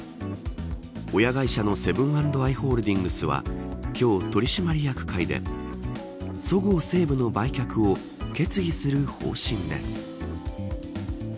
親会社のセブン＆アイ・ホールディングスは今日、取締役会でそごう・西武の売却を決議する方針です。